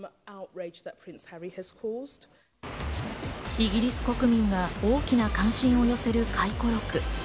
イギリス国民が大きな関心を寄せる回顧録。